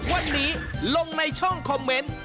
วันนี้ลงในช่องคอมเมนต์